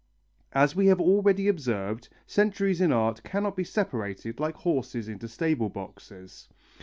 As we have already observed, centuries in art cannot be separated like horses in stable boxes.